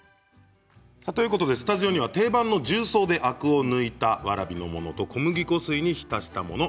スタジオには定番の重曹でアクを抜いたわらびのものと小麦粉水に浸したもの